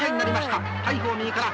大鵬右から。